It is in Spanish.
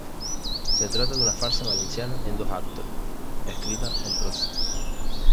Se trata de una farsa valenciana en dos actos, escrita en prosa.